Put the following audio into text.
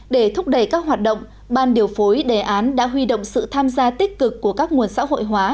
để thúc đẩy các hoạt động ban điều phối đề án đã huy động sự tham gia tích cực của các nguồn xã hội hóa